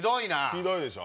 ひどいでしょ。